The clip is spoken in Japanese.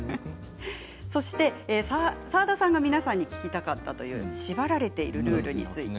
そして澤田さんが皆さんに聞きたかったという縛られているルールについて。